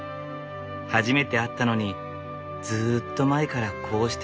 初めて会ったのにずっと前からこうしていたような。